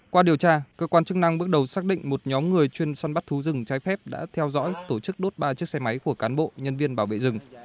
qua điều tra cơ quan chức năng bước đầu xác định một nhóm người chuyên son bắt thú rừng trái phép đã theo dõi tổ chức đốt ba chiếc xe máy của cán bộ nhân viên bảo vệ rừng